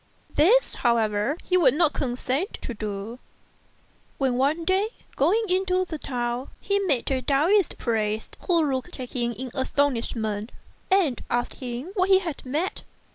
This, however, he would not consent to do; when one day, going into the town, he met a Taoist priest, who looked at him in astonishment, and asked him what he had met.